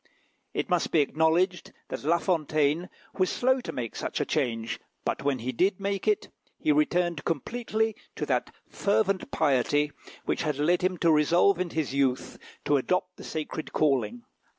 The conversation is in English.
It must be acknowledged that La Fontaine was slow to make such a change; but when he did make it, he returned completely to that fervent piety which had led him to resolve in his youth to adopt the sacred calling.